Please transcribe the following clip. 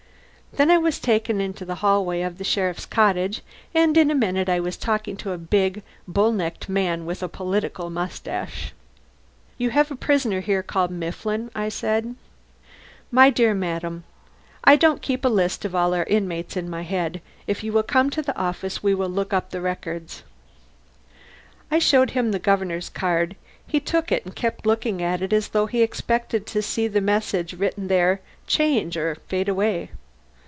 Then I was taken into the hallway of the sheriff's cottage and in a minute I was talking to a big, bull necked man with a political moustache. "You have a prisoner here called Roger Mifflin?" I said. "My dear Madam, I don't keep a list of all our inmates in my head. If you will come to the office we will look up the records." I showed him the Governor's card. He took it and kept looking at it as though he expected to see the message written there change or fade away.